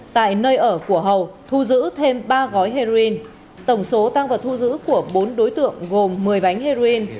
tại nơi ở của hầu thu giữ thêm ba gói heroin tổng số tăng vật thu giữ của bốn đối tượng gồm một mươi bánh heroin